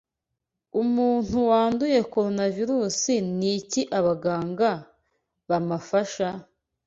Umuntu wanduye coronavirus niki abaganga bamafasha?